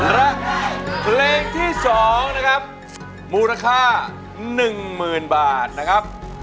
และเพลงที่๒นะครับมูลค่า๑๐๐๐บาทนะครับ